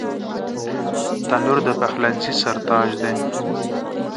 تنور د پخلنځي سر تاج دی